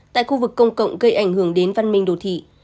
tại khu vực công cộng gây ảnh hưởng đến văn minh đồ thị